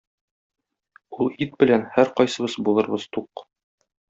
Ул ит белән һәркайсыбыз булырбыз тук!